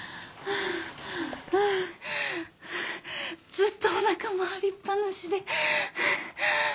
ずっとおなかも張りっぱなしで。